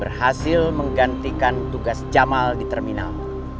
berhasil menggantikan tugas jamal di terminal